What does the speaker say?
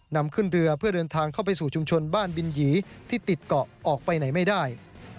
นำขึ้นเรือเพื่อเดินทางเข้าไปสู่ชุมชนบ้านบินหยีที่ติดเกาะออกไปไหนไม่ได้